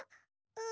う。